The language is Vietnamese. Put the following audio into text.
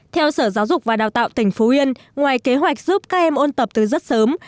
theo sở giáo dục và đào tạo tỉnh phú yên ngoài kế hoạch giúp các em ôn tập từ rất sớm